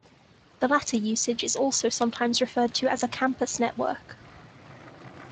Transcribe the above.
The latter usage is also sometimes referred to as a campus network.